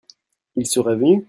Ils seraient venus ?